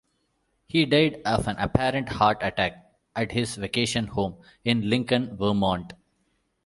He died of an apparent heart attack at his vacation home in Lincoln, Vermont.